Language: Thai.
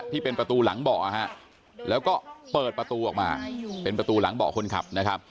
ที่เป็นประตูหลังเบาะฮะแล้วก็เปิดประตูออกมาเป็นประตูหลังเบาะคนขับนะครับ